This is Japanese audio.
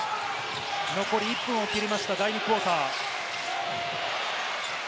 残り１分を切りました、第２クオーター。